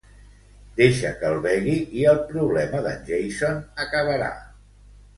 Deixa que el begui i el problema d'en Jason acabarà.